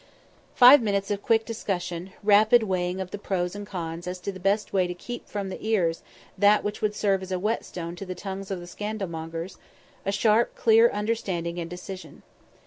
Five minutes of quick discussion; rapid weighing of the pros and cons as to the best way to keep from the ears that which would serve as a whetstone to the tongues of the scandalmongers; a sharp, clear understanding and decision.